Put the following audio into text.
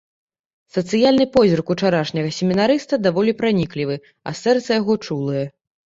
Сацыяльны позірк учарашняга семінарыста даволі праніклівы, а сэрца яго чулае.